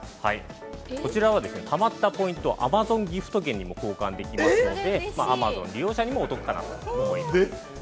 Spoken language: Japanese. こちらは、たまったポイントはアマゾンギフト券にも交換できますので、アマゾン利用者にもお得かなと思います。